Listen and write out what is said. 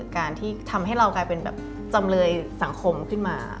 การที่ทำให้เรากลายเป็นแบบจำเลยสังคมขึ้นมา